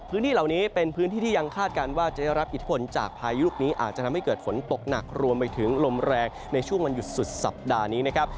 พื้นที่เหล่านี้เป็นพื้นที่ที่ยังคาดการณ์ว่าจะได้รับอิทธิพลจากพายุลูกนี้อาจจะทำให้เกิดฝนตกหนักรวมไปถึงลมแรงในช่วงวันหยุดสุดสัปดาห์นี้นะครับ